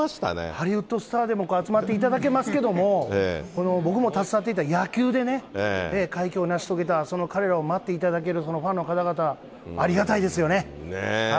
ハリウッドスターでも集まっていただけますけども、僕も携わっていた野球でね、快挙を成し遂げた、その彼らを待っていただける、そのファンの方々、ありがたいですよね。